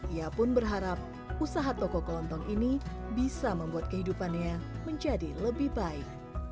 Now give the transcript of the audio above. ia pun berharap usaha toko kelontong ini bisa membuat kehidupannya menjadi lebih baik